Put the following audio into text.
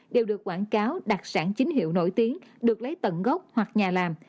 đều được quảng cáo đặc sản chính hiệu nổi tiếng được lấy tận gốc hoặc nhà làm